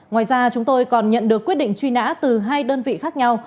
ngoài ra chúng tôi còn nhận được quyết định truy nã từ hai đơn vị khác nhau